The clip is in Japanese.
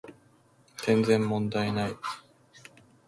全然問題ない